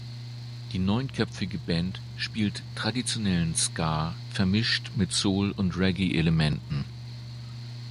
Die neunköpfige Band spielt traditionellen Ska, vermischt mit Soul- und Reggae-Elementen.